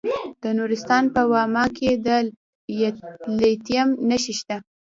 د نورستان په واما کې د لیتیم نښې شته.